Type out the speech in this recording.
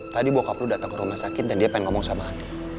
tadi bokap lo dateng ke rumah sakit dan dia pengen ngomong sama andi